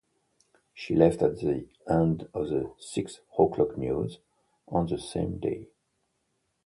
She left at the end of the "Six O'Clock News" on the same day.